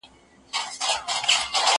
سیر وکړه!!